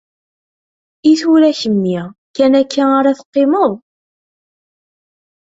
I tura kemmi, kan akka ara teqqimeḍ?